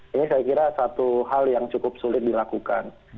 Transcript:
ini saya kira satu hal yang cukup sulit dilakukan